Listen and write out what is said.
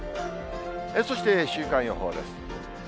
そして週間予報です。